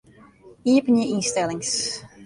Iepenje ynstellings.